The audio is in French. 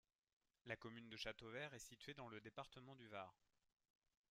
La commune de Châteauvert est située dans le département du Var.